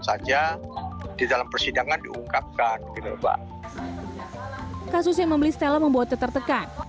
saja di dalam persidangan diungkapkan gitu pak kasus yang membeli stella membuatnya tertekan